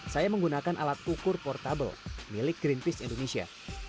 saya menggunakan alat ukur portable milik greenpeace indonesia